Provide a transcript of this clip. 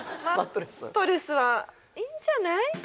マットレスはいいんじゃない？